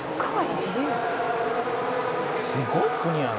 「すごい国やな」